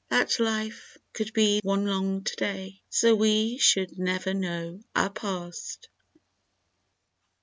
That Life could be one long To day, So we should never know a Past